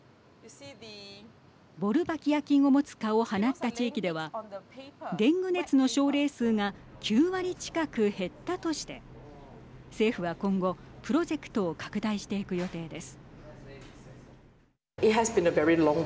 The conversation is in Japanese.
ボルバキア菌を持つ蚊を放った地域ではデング熱の症例数が９割近く減ったとして政府は今後プロジェクトを拡大していく予定です。